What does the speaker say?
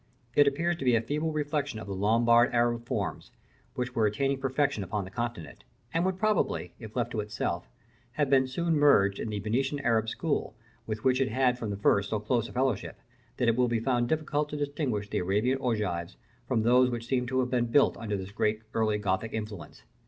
It appears to be a feeble reflection of the Lombard Arab forms, which were attaining perfection upon the continent, and would probably, if left to itself, have been soon merged in the Venetian Arab school, with which it had from the first so close a fellowship, that it will be found difficult to distinguish the Arabian ogives from those which seem to have been built under this early Gothic influence.